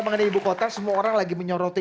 mengenai ibu kota semua orang lagi menyoroti